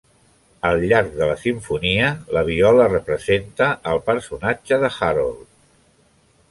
Al llarg de la simfonia, la viola representa al personatge de Harold.